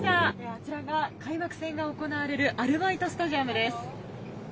あちらが開幕戦が行われるアルバイトスタジアムです。